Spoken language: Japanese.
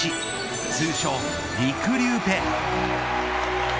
通称りくりゅうペア。